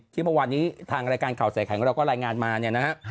ที่เมื่อวันนี้ทางรายการข่าวแสดงเราก็รายงานมาเนี้ยนะฮะฮะ